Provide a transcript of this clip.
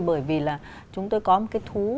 bởi vì là chúng tôi có một cái thú